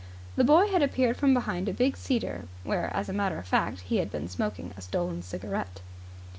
The boy had appeared from behind a big cedar, where, as a matter of fact, he had been smoking a stolen cigarette.